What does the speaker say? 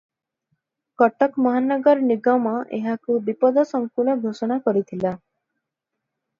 କଟକ ମହାନଗର ନିଗମ ଏହାକୁ ବିପଦସଂକୁଳ ଘୋଷଣା କରିଥିଲା ।